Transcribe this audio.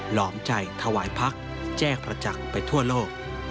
หอมใจถวายพักแจ้งประจักษ์ไปทั่วโลก